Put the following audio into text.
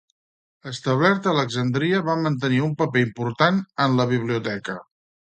Establert a Alexandria, va mantenir un paper important en la Biblioteca.